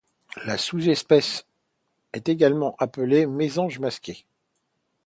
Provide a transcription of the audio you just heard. La sous-espèce ' est également appelée mésange masquée.